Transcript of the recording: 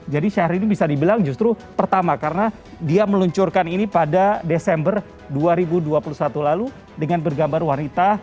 jadi syahrini bisa dibilang justru pertama karena dia meluncurkan ini pada desember dua ribu dua puluh satu lalu dengan bergambar wanita